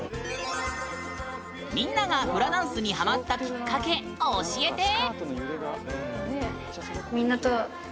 みんながフラダンスにハマったきっかけ、教えて！